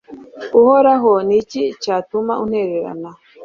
Uhoraho ni iki cyatuma untererana